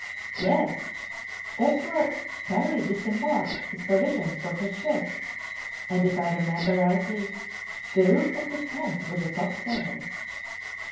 "Yes; that's where Parry disembarked his provisions from his ship, and, if I remember rightly, the roof of his tent was a topsail."